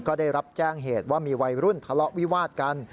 ก็ได้รับแจ้งเหตุว่ามีวัยรุ่นทะเลาะวิวาดกัน